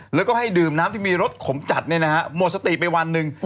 แล้วก็ให้ดื่มน้ำที่มีรสขมจัดหมดสติไปวันหนึ่ง